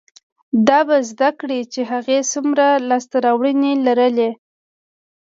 دا به زده کړي چې هغې څومره لاسته راوړنې لرلې،